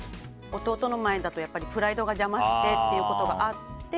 弟の前だとプライドが邪魔してということがあって。